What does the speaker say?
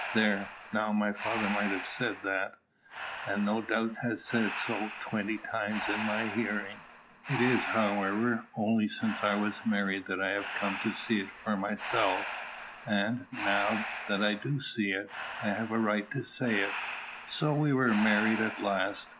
There, now, my father might have said that! and no doubt has said so twenty times in my hearing. It is, however, only since I was married that I have come to see it for myself; and, now that I do see it, I have a right to say it. So we were married at last.